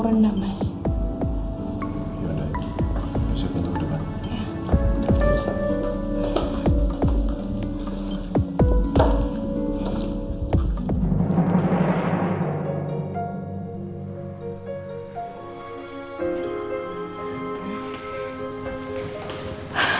tunggu dulu kak